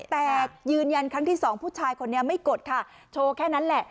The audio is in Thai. แต่ยืนยันครั้งที่สองผู้ชายคนนี้ไม่กดค่ะโชว์แค่นั้นแหละ